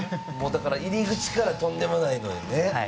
入り口からとんでもないのでね。